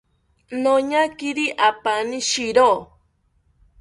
Noñakiri apaani shiro